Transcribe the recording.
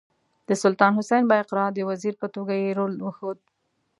د سلطان حسین بایقرا د وزیر په توګه یې رول وښود.